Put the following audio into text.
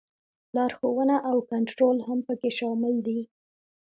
لارښوونه او کنټرول هم پکې شامل دي.